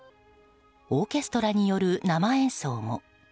オーケストラによる生演奏も。